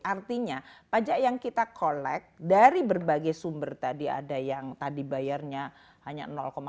artinya pajak yang kita collect dari berbagai sumber tadi ada yang tadi bayarnya hanya lima